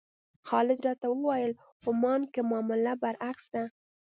خالد راته وویل عمان کې معامله برعکس ده.